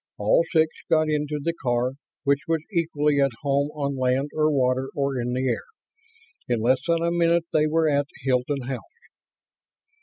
All six got into the car, which was equally at home on land or water or in the air. In less than a minute they were at Hilton House.